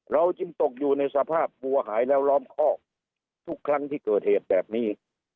เราจึงตกอยู่ในสภาพวัวหายแล้วล้อมคอกทุกครั้งที่เกิดเหตุแบบนี้